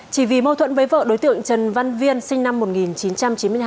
chỉ vì mâu thuẫn với vợ đối tượng trần văn viên sinh năm một nghìn chín trăm chín mươi hai